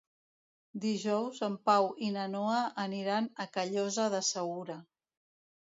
Dijous en Pau i na Noa aniran a Callosa de Segura.